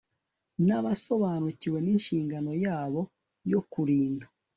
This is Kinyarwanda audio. nabasobanukiwe ninshingano yabo yo kurinda